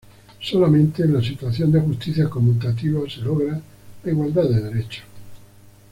Solamente en la situación de justicia conmutativa se logra la igualdad de derechos.